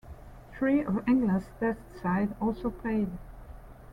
Three of England's Test side also played.